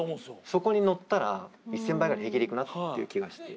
そこに乗ったら１，０００倍ぐらい平気でいくなっていう気がして。